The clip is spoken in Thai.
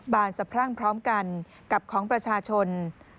บานสะพรั่งพร้อมกันกับของประชาชน